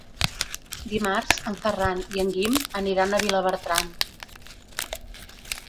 Dimarts en Ferran i en Guim aniran a Vilabertran.